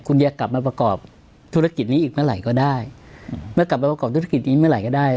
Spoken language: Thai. คุณจะกลับมาประกอบธุรกิจนี้อีกเมื่อไหร่ก็ได้แล้วกลับไปประกอบธุรกิจนี้เมื่อไหร่ก็ได้